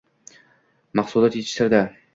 – mahsulot yetishtirdi.